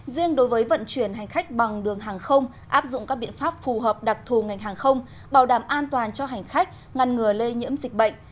riêng đối với vận chuyển hành khách bằng đường hàng không áp dụng các biện pháp phù hợp đặc thù ngành hàng không bảo đảm an toàn cho hành khách ngăn ngừa lây nhiễm dịch bệnh